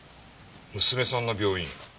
娘さんの病院？